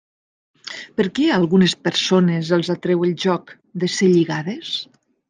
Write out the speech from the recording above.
Per què a algunes persones els atreu el joc de ser lligades?